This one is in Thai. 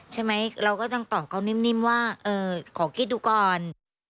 ใช่ไหมเราก็ต้องตอบเขานิ่มว่าขอคิดดูก่อน